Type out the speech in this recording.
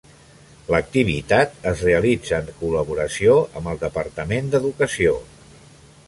L'activitat es realitza en col·laboració amb el Departament d'Educació.